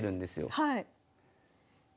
はい。